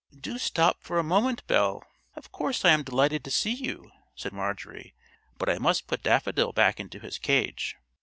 "Do stop for a moment, Belle. Of course I am delighted to see you," said Marjorie, "but I must put Daffodil back into his cage."